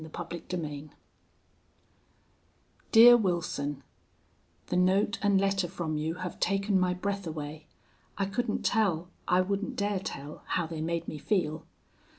CHAPTER XIII Dear Wilson, The note and letter from you have taken my breath away. I couldn't tell I wouldn't dare tell, how they made me feel.